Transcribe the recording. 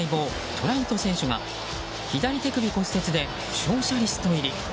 トラウト選手が左手首骨折で負傷者リスト入り。